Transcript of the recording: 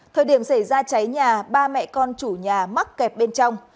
thời điểm xảy ra cháy nhà ba mẹ con chủ nhà mắc kẹt bên trong